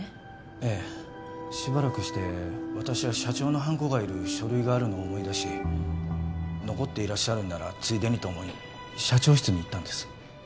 ええしばらくして社長のハンコが要る書類があるのを思い出し残っていらっしゃるならついでにと思い社長室に行ったんです